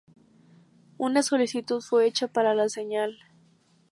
Una solicitud fue hecha para la señal.